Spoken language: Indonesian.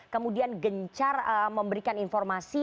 kemudian gencar memberikan informasi